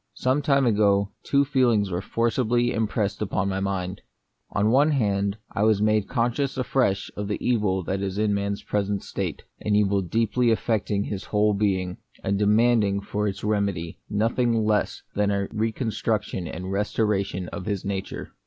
Some time ago, two feelings were forcibly impressed upon my mind. On the one hand, I was made conscious afresh of the evil that is in man's present state ; an evil deeply affecting his whole being, and demanding for its remedy nothing less than a reconstruction and restora tion of his nature.